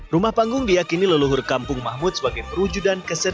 rumah panggung diakini leluhur kampung mahmud sebagai perwujudan kesedaran